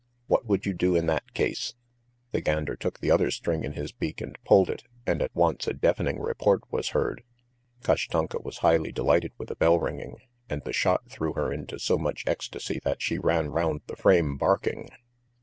What would you do in that case?" The gander took the other string in his beak and pulled it, and at once a deafening report was heard. Kashtanka was highly delighted with the bell ringing, and the shot threw her into so much ecstasy that she ran round the frame barking.